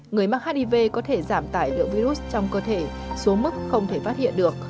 người mắc hiv có thể giảm tải lượng virus trong cơ thể xuống mức không thể phát hiện được